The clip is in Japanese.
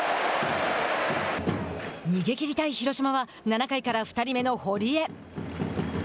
逃げきりたい広島は７回から２人目の塹江。